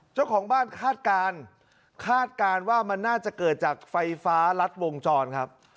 เจ้าของบ้านคาดการณ์คาดการณ์ว่ามันน่าจะเกิดจากไฟฟ้ารัดวงจรครับ